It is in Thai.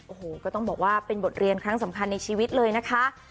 โอ้โหก็ต้องบอกว่าเป็นบทเรียนครั้งสำคัญในชีวิตเลยนะคะ